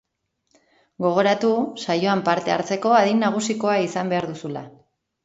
Gogoratu saioan parte hartzeko adin nagusikoa izan behar duzula.